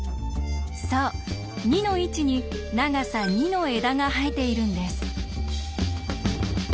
そう２の位置に長さ２の枝が生えているんです。